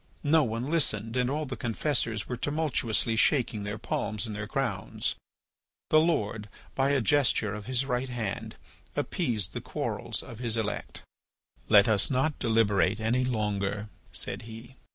No one listened, and all the confessors were tumultuously shaking their palms and their crowns. The Lord, by a gesture of his right hand, appeased the quarrels of his elect. "Let us not deliberate any longer," said he.